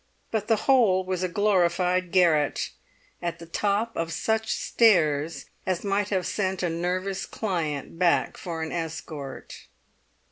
But the whole was a glorified garret, at the top of such stairs as might have sent a nervous client back for an escort.